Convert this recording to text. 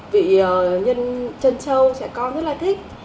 vị nhân chân trâu trẻ con rất là thích